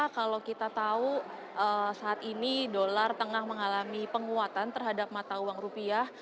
kalau kita tahu saat ini dolar tengah mengalami penguatan terhadap mata uang rupiah